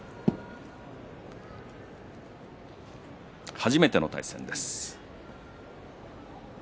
初めての対戦です。